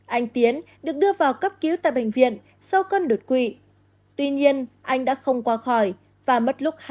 anh tiến được đưa vào cấp cứu tại bệnh viện sau cơn đột quỵ tuy nhiên anh đã không qua khỏi và mất lúc hai mươi